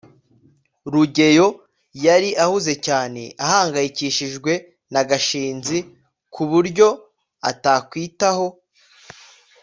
rugeyo yari ahuze cyane ahangayikishijwe na gashinzi ku buryo atakwitaho